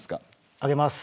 上げます。